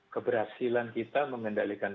keberhasilan kita mengendalikan